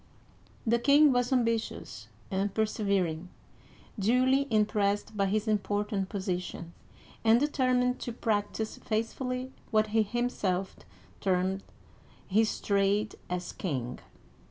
*' The king was ambitious and persevering, duly im pressed by his important position, and determined to practice faithfully what he himself termed " his trade as king."